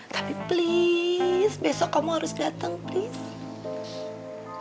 tapi please besok kamu harus datang